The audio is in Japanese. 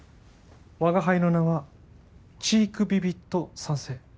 我が輩の名はチークビビット三世。